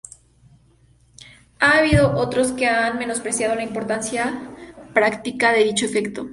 Ha habido otros que han menospreciado la importancia práctica de dicho efecto.